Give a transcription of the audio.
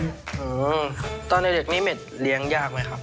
ตอนเด็กนี้เม็ดเลี้ยงยากไหมครับ